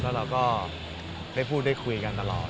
แล้วเราก็ได้พูดได้คุยกันตลอด